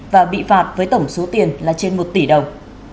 và bị phạt với tổng số tiền là trên một tỷ đồng